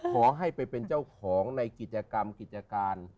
ขอให้ไปเป็นเจ้าของในกิจกรรมกิจการ